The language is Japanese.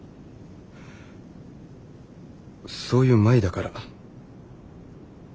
そういう舞だから。